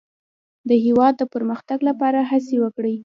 د هېواد د پرمختګ لپاره هڅې وکړئ.